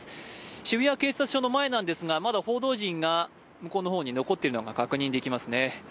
渋谷警察署の前なんですがまだ報道陣が向こうの方に残っているのが確認できますね。